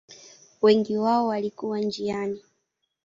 Wengi wao walikufa njiani.